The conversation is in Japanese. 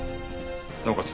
なおかつ